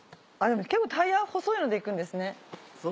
でも結構タイヤは細いのでいくんですね。